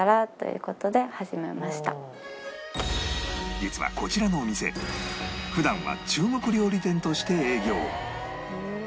実はこちらのお店普段は中国料理店として営業